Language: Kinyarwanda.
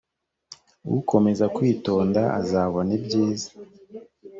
ukomeza kwitonda azabona ibyiza